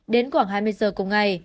đến khoảng hai mươi giờ cùng ngày